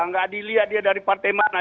nggak dilihat dia dari partai mana